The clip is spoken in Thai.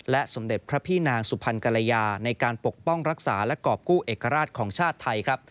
สมเด็จพระพี่นางสุพรรณกรยาในการปกป้องรักษาและกรอบกู้เอกราชของชาติไทย